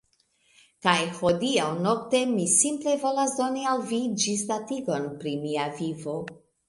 Kaj hodiaŭ nokte mi simple volas doni al vi, ĝisdatigon pri mia vivo